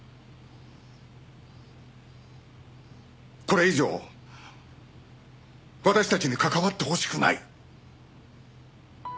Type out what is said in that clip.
これ以上私たちに関わってほしくない！